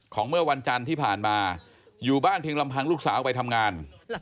เมื่อวันจันทร์ที่ผ่านมาอยู่บ้านเพียงลำพังลูกสาวไปทำงาน